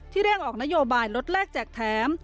เร่งออกนโยบายลดแรกแจกแถม